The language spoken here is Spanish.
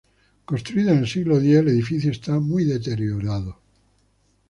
Construida en el siglo X, el edificio está muy deteriorado.